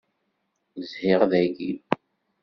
Zhiɣ dagi.